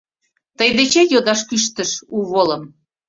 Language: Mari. Тый дечет йодаш кӱштыш у волым;